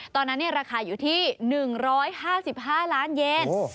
ตอนนั้นเนี่ยราคาอยู่ที่๑๕๕ล้านเยน